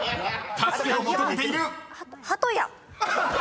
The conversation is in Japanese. ［助けを求めている！］